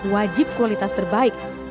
wajib kualitas terbaik